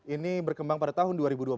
ini berkembang pada tahun dua ribu dua puluh